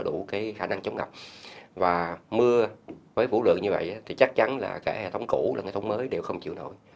trận mưa với vũ lượng như vậy thì chắc chắn là cả hệ thống củ và hệ thống mới đều không chịu nổi